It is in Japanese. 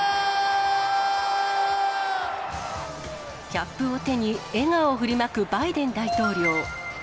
キャップを手に、笑顔を振りまくバイデン大統領。